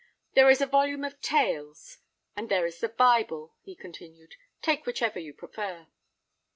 "There is a volume of Tales—and there is the Bible," he continued: "take whichever you prefer."